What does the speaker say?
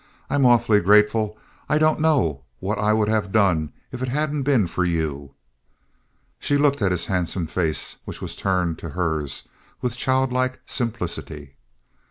"I'm awfully grateful. I don't know what I would have done if it hadn't been for you." She looked at his handsome face, which was turned to hers, with child like simplicity.